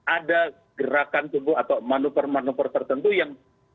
ada gerakan atau manupur manupur tertentu yang